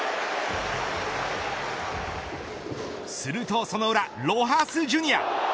するとその裏ロハス・ジュニア。